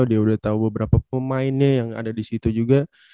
dia udah tahu beberapa pemainnya yang ada di situ juga